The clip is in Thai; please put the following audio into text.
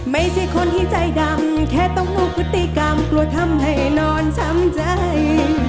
ไม่ใช่คนที่ใจดำแค่ต้องรู้พฤติกรรมกลัวทำให้นอนช้ำใจ